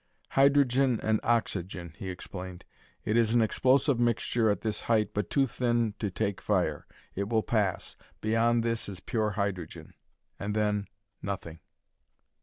"Hydrogen and oxygen," he explained. "It is an explosive mixture at this height, but too thin to take fire. It will pass. Beyond this is pure hydrogen. And then, nothing."